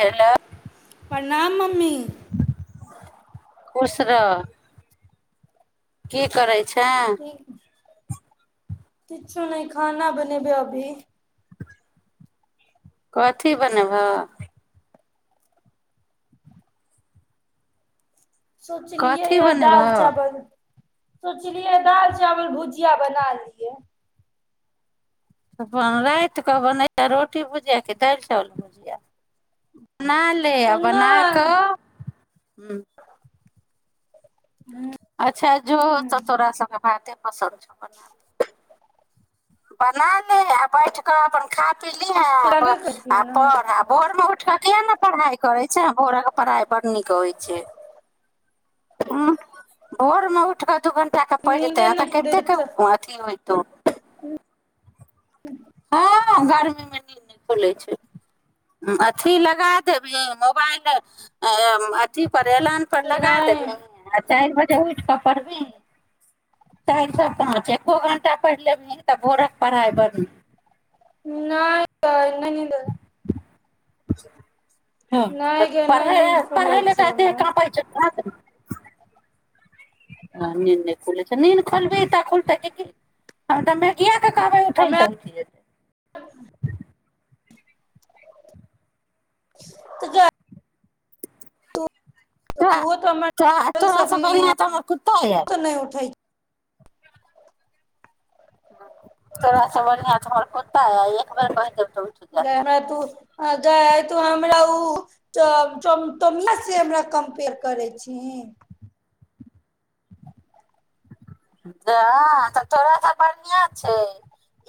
Hello प्रणाम mummy खुश रह की करय छै ठीक किछु नहि खाना बनेबै अभी कथी बनेबह सोचलियै कथी य दाल बनेबह चावल सोचलियै दाल चावल भुजिया बना लियै अपन रात कऽ बनै रोटी भुजिया कि दालि चावल भुजिया बना ले आ तऽ बना नहि कऽ ह अच्छा जो च तोरा स बाते पसन्द छौ बना ले आ बैठ अपन ख पली है आब कहै ने आ भोर मे उठ किया ने पढ़ाई करै छै भोराक के पढ़ाइ बड़ नीक होइ छै हँ भोरमे उठि कऽ दू घण्टाके पड़ि जेतै नींदे नहि तऽ कतेक खुलैत अथिी होयतहु ह्म हँ गर्मी मे न खोले छै अथी लगा दे मोबाइल अथी पर एलान पर लगा नहि देबे ह चारि बजे उठ कऽ पढ़बही चारि सप्ताहच एको जी घंटा पढ़ि लेबही तऽ भोरक पढ़ाइ बढ़बही नहि त नहि द [inaudible] ह नहि तऽ गे नहि पढ़ाई नींद खुलै पढ़ें छै तत हमर क प छै आ नी खुल छै नीन खलब त खलता किी हँ तमे किया ककबै उठै त हमरा उठी जेत तऽ क तोहो तऽ त हमर थोड़स सकली बढ़ि ह तर कुदत ह यार तऽ नहि उठै तो बढ़िआ त भरप ग हमरा तू ग त हमरा ओम से हमरा कम्पेयर करै छी ह तऽ तोराास सा बढ़िआँ छै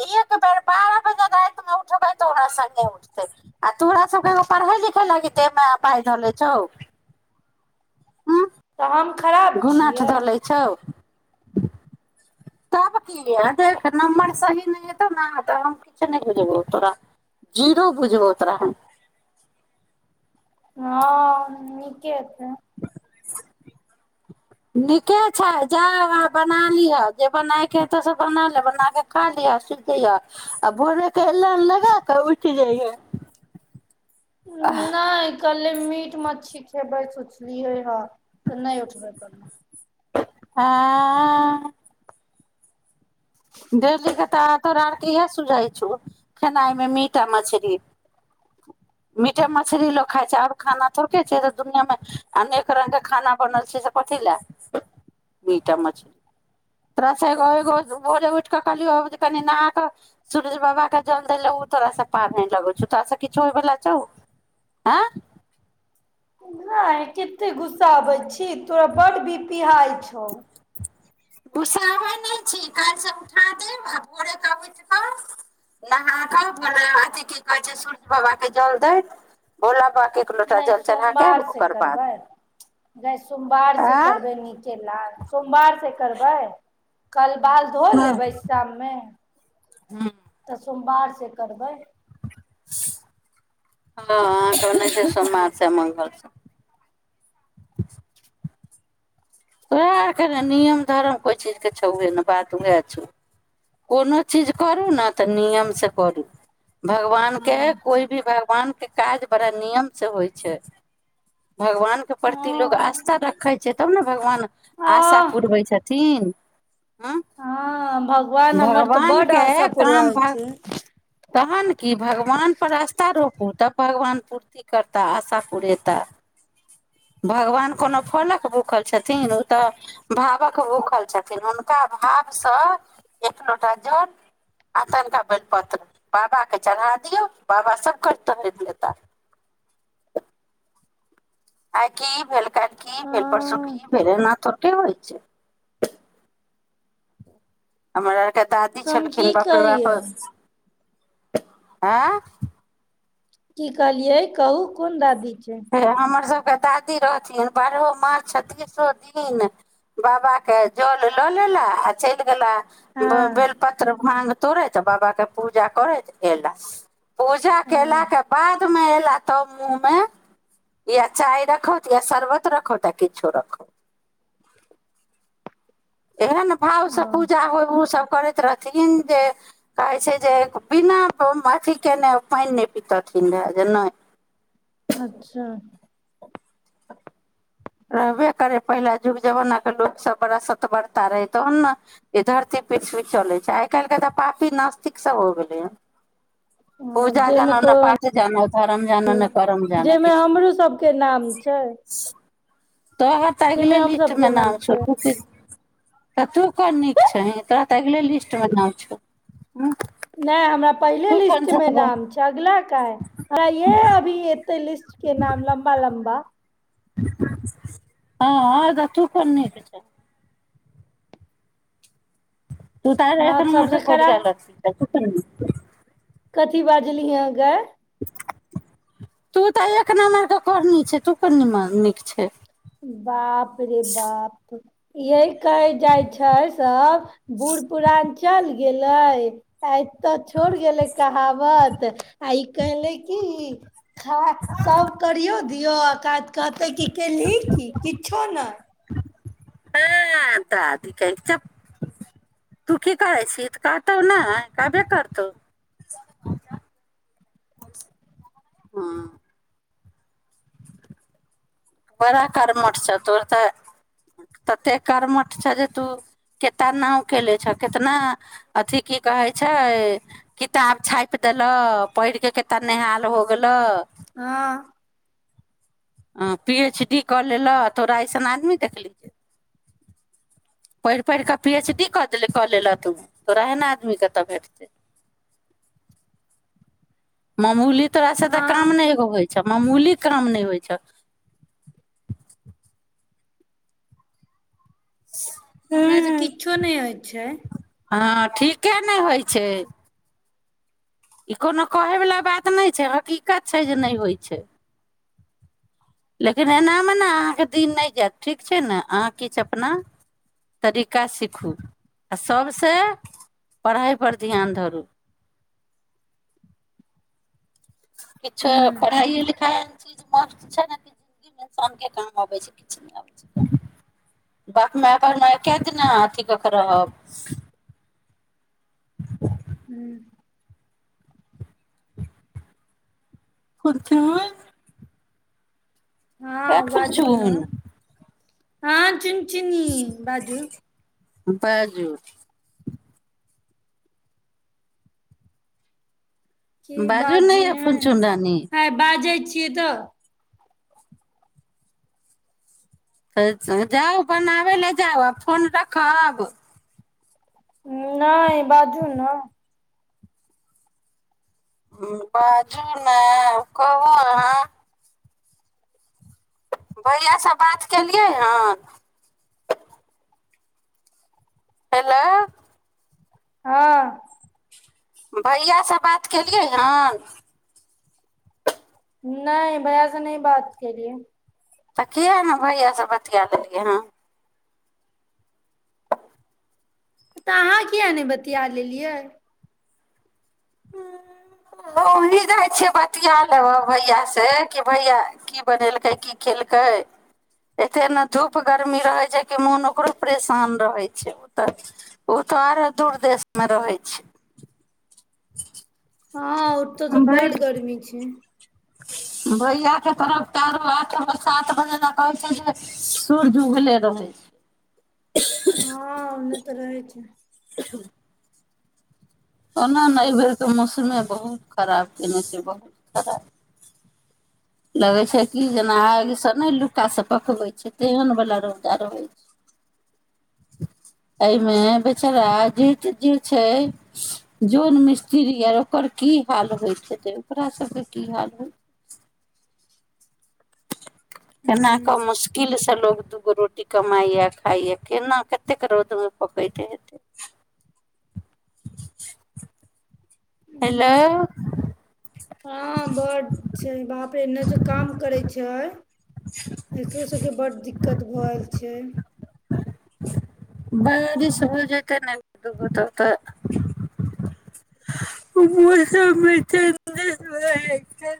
एक बेर बारह बजे रातिमे उठबै तोरा सङ्गे उठतै आ तोरा सभके एगो पढ़य लिखय लागतेमे पाय धले छौ हूँ तऽ हम खराब घुनठ छियै धऽ लै छौ तब की य देख नम्बर सही नहि हेतो ने तऽ हम किछु नहि बुझबौ तोरा जीरो बुझबौ तोरा हँ नीके अथ नीके छै जा आ बना लिह जे बनायके हेतौ से बना ले बना क खा लिह सुखिह आ भोरे आलम लगा कऽ उठि जाइय आ पे मीट मछली खैबर सोचलियै हे तऽ नहि उठबमे आँ डेली के तऽ तोरा आर के इह सुझाइ छौ खेनाइ मे मी आ मछरी मीटा मछरी लो खाइ छै आर खाना थोड़ छै दुनिया मे अनेक रंगग के खाना बनल छै से कथी ले मी मछरी तोरा एगो एगो भोरे उठि कऽ कहलियौ जे कनि नहा कऽ सूरज बाबाके जल दै लए ओ तोरासँ पार नहि लगै छौ तोरासँ किछो होयवला छौ हँ नहि कते गुस्साब छै छी तोरा बड बी पी हाई पछौ घुसाबै नहि छी काल्हिसँ उठा देब आ भोरेके उठ कऽ नहा के भोला अथी की कहैत छै सूर्य बाबाके जल देैत भोला बाे नहि सोमवार से करबै नहि सोमवार से आँ करबै नीकेला सोमवार से करबाय कल बाल धो लेबै शाममे सोमवार से करबै हँ अ त नहि छै सोमवार छै मगल छै तोरा आरके ने नियम धरम कोइ चीजके छौहे नै बात उहे छौ कोनो चीज करू ने तऽ नियमसँ करू भगवान के हूँ कोइ भी भगवान के काज बड़ा नियमसँ होइ छै भगवान के प्रति लोग आशथा हँ रखै छै तब ने भगवान आशा आह पूुरबै छथिन हँ भगवान हमर तऽ भगवान बड आशा के पूरा काम होइ भर छै तहन की भगवान पर आस् ता रोपू तब भगवान पूर्ति करता आशा पुरेता भगवान कोनो फलक भूखल छथिन ओ तऽ भावक भूखल छथिन हुनका भावसँ एक लोटा जल आ तनिका बेलपत्र बाबाकेँ चढ़ा दियौ बाबा सभ कर तब रोकि लेता आइ की भेल काल्हि की भेल परसु हँ की भेल एना थोरके होइ छै हमर आर के दादी तऽ हम छलखिन की बाप रे कहियै बाप क आँय की कहलियै कहू कोन दादी छै फेर हमर सब के दादी रहथिन बारहो मास छतीसो दिन बाबा के जल लऽ लेला आ चलि गेला हँ बेल पत्र भाँग तोरैत बाबा के पूजा करैत एला पूजा हँ केला के बाद मे एल ल आ तब मुँहमे या चाय रखौथ या शरबत रखौथ या किछो रखौथ एहन भाव से ओ पूजा होय उ सब करैत रहथिन जे कहै छै जे बिना अथी केने पानि नहि पीतथिन रहए जे नहि अच्छा रहबे करै पहिल युग जमानाके लोकसभ बड़ा सतबरता रहै तहन ने ई धरती पृथ्वी चलै छै आइ काल्हिके तऽ पापी नास्तिक सभ हो गेलै हन हँ पूजा जाहिमे जानै तो ने पाठ जानै धरम जानै ने करम जानै जाहिमे किछु हमरो सबके नाम नै छै तोहर तऽ जाहिमे अगिले हम लिस्ट मे सबके नाम छौ छै त तू कोन नीक छही तऽ अगिले लिस्ट मे नाउ छौ उंह नहि हमरा पहिले लिस्ट मे नाम छै अगला कहाँ ये अभी एते लिस्ट के नाम लम्बा लम्बा हँ तऽ तू कोन नीक छें तू तऽ आर हँ एक नंबर के सबसे खड़ा कोढिया लोक छीही कऽ हँ कथी बाजलिही हन गै तू तऽ एक नम्बर के कोढ़नी छे तू कोन नीमन नीक छे बाप रे बाप यही कहय जाय छै सब बूढ़ पुढ़ान चल गेले तऽ छोड़ गेलै कहावत आ ई कहलै की खा सभ करियो दियौ आ कत कहतै की केलही किछु नहि हँ, दादी कहथिन, तूँ की करै छी? तऽ करतौ ने, की भे करतौ। बड़ा कर्मठ छौ तोर तऽ तते कर्मठ छौ जे तू केतना नाव केले छ कितना अथिी की कहै छ किताब छापि देलह पढ़ के कतना नेहाल हो गेल हँ ह पी एच डी कऽ लेलह थोड़ा अऐसन आदमी देख लीज पढ़ि पढ़ कऽ पी एच डी कऽ देले कले ल त त रहे ने आदमी के तऽ भेटतै मामूली तरस तऽ काम हँ नहि गै अच्छा मामूली काम नहि होइ छ हमरा तऽ हूँ किछो नहि होइ छै हँ ठीके नहि होइ छै ई कोनो कहयवला बात नहि छै हकीकत छै जे नहि होइ छै लेकिन एनामे ने अहाँके दिन नहि जायत ठीक छै ने अहाँ किछु अपना तरीका सीखू आ सभसँ पढ़ाइपर ध्यान धरू किछु हूँ पढ़ा लिखा ची मस्त छै ने कि जिन्दगीमे इंसान के काम अबैत छै किछु नहि आबै छै बाप माय बाप म क दिना अथी कऽ के रहब ह ह्म पच हे हँ बाजू ने खुलचुल हँ च ची न बाजू बाजू की बाजू नहि बजी यै है फुनचुन रानी है बाज छिय तऽ त जाउ अपन आ ल जाउ आ फोन रख आब नहि बाजू ने बाजू ने कहू अहाँ भैय से बात केलियै हन हेलो हँ भैयासँ बात केलियै हन नहि भयसँ नहि बात केेलियए तऽ किए ने भैया से बतििया लेलियै हँ तऽ अहाँ कििया नहि बतििया लेलियै वहीँ जाइ छियै बतििया लेबह भैयासँ कि भैया की बनेलकै की केलकै एतेक ने धूप गर्मी रहै छै कि मोन ओकरो परेशान रहै छै तऽ ओ तऽ आरो दूर देशमे रहै छै [unintelligible] हँ ओ तऽ तऽ बड गर्मी छै भैयाके तरफ चारू आठ सात बजे ने कहै छै जे सूरज उगले रहै छै हँन तऽ रहै छै [inaudible] ओना ने एहिबेर तऽ मौसमे बहुत खराब कने छै बहुत खराब लगै छै कि जेना आगिसभ नहि लु्टासँ पकबै छै तेहनवला रौदा रहै छै एहिमे बेचारा जे जे छै जौन मिस्त्री आर ओकर की हाल होइ छै ओकरा सभके की हाल होइ छै केना कऽ ह मुश्किल तऽ लग दूगो रोटी कमाइय खाइया केना कतेक रौद मे पक हेतै हेलो हँ बड छै बाप रे एने जो काम करे छै एकरो सबके बड दिक्कत भएल छै बारी सभ हो जेते नहि बताता मौसममे च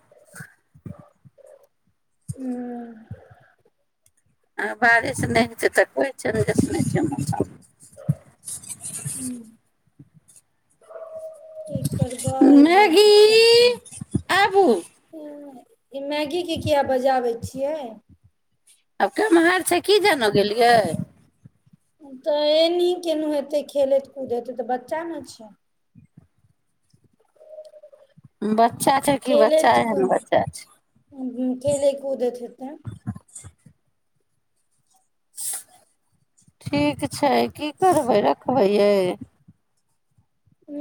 ह्म आ बारिश नहि होइ छै तऽ कोइ चजस नहि छै मौसम की करब बड़ मैगी दिक्कत छै आबू ई मैगीके किए बजाबै छियै आब केम्हहार छै की जानो गेलियै तऽ एना केन हेतै खेलैत कूद हेतै तऽ बच्चा ने छै बाह खेल खेल क उदत हतऽ ठीक छै की करबै रखबै यै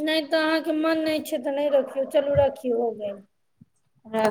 नहि तऽ अहाँके मन नहि छै तऽ नहि रखियौ चलू रखियौ हो गेल र